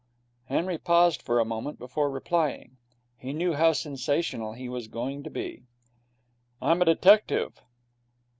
Henry paused for a moment before replying. He knew how sensational he was going to be. 'I'm a detective.'